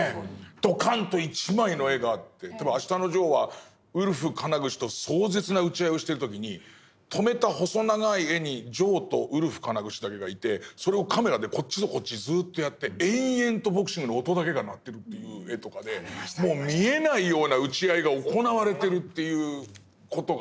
ドカンと一枚の絵があって例えば「あしたのジョー」はウルフ金串と壮絶な打ち合いをしてる時に止めた細長い絵にジョーとウルフ金串だけがいてそれをカメラでこっちとこっちずっとやって延々とボクシングの音だけが鳴ってるという絵とかでもう見えないような打ち合いが行われてるっていう事が分かる。